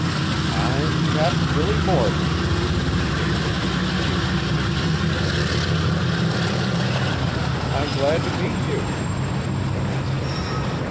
"I'm Cap'n Billy Morgan!" This statement appeared to interest Thornly immensely. "I'm glad to meet you," he answered.